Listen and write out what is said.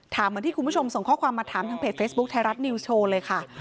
เหมือนที่คุณผู้ชมส่งข้อความมาถามทางเพจเฟซบุ๊คไทยรัฐนิวส์โชว์เลยค่ะ